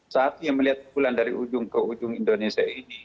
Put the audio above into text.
saat ia melihat bulan dari ujung ke ujung indonesia ini